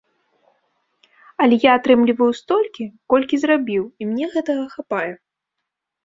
Але я атрымліваю столькі, колькі зрабіў, і мне гэтага хапае.